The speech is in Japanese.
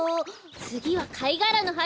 つぎはかいがらのはいちです。